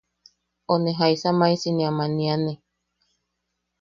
O “¿ne... jaisa maisi ne am aniane?”